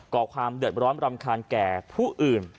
ก่อความเดือดร้อนรำคาญแก่ผู้อื่น